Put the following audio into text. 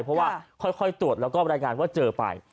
เพราะว่าค่อยตรวจแล้วก็รายงานว่าเจอไป